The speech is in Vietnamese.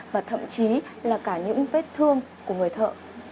và thậm chí là cả những vết thương của người thợ